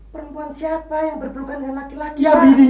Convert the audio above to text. perempuan siapa yang berpelukan dengan laki laki